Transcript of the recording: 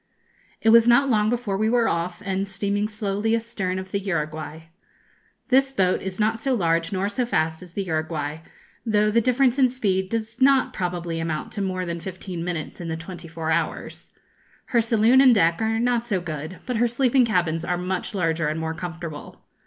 It was not long before we were off, and steaming slowly astern of the 'Uruguay.' This boat is not so large nor so fast as the 'Uruguay,' though the difference in speed does not probably amount to more than fifteen minutes in the twenty four hours. Her saloon and deck are not so good, but her sleeping cabins are much larger and more comfortable.